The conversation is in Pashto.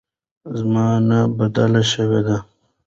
زمانه بدله شوې ده.